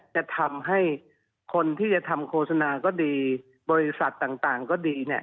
จะทำให้คนที่จะทำโฆษณาก็ดีบริษัทต่างก็ดีเนี่ย